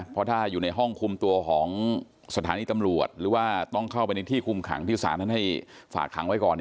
เพราะถ้าอยู่ในห้องคุมตัวของสถานีตำรวจหรือว่าต้องเข้าไปในที่คุมขังที่ศาลท่านให้ฝากขังไว้ก่อน